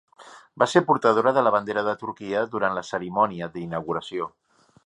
Va ser portadora de la bandera de Turquia durant la cerimònia d'inauguració.